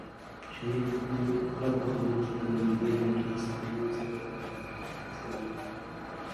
شریف په خپلو کلکو خبرو سره د مېلې او درس ترمنځ کرښه راښکله.